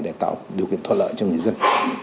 để tạo điều kiện thuận lợi cho người dân